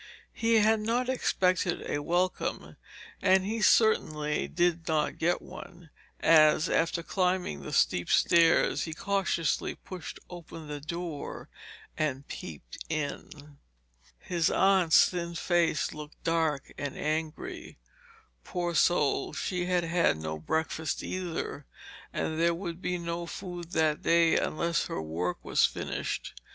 He had not expected a welcome, and he certainly did not get one, as, after climbing the steep stairs, he cautiously pushed open the door and peeped in. His aunt's thin face looked dark and angry. Poor soul, she had had no breakfast either, and there would be no food that day unless her work was finished.